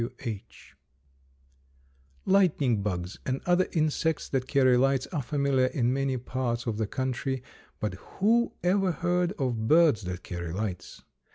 P. W. H. "Lightning bugs" and other insects that carry lights are familiar in many parts of the country, but who ever heard of birds that carry lights?